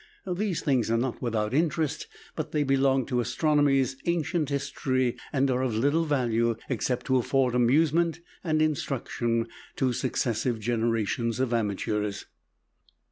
These things are not without interest; but they belong to astronomy's ancient history, and are of little value except to afford amusement and instruction to successive generations of amateurs.